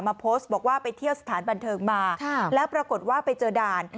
โพสต์บอกว่าไปเที่ยวสถานบันเทิงมาแล้วปรากฏว่าไปเจอด่าน